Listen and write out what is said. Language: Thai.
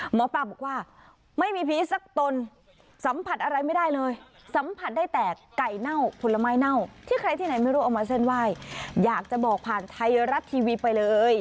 หมอปลาบอกว่าไม่มีผีสักตนสัมผัสอะไรไม่ได้เลยสัมผัสได้แต่ไก่เน่าผลไม้เน่าที่ใครที่ไหนไม่รู้เอามาเส้นไหว้อยากจะบอกผ่านไทยรัฐทีวีไปเลย